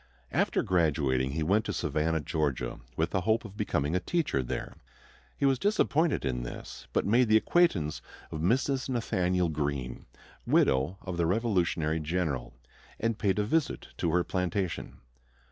After graduating he went to Savannah, Georgia, with the hope of becoming a teacher there. He was disappointed in this; but made the acquaintance of Mrs. Nathanael Greene, widow of the Revolutionary general, and paid a visit to her plantation.